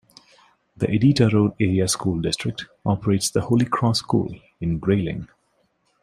The Iditarod Area School District operates the Holy Cross School in Grayling.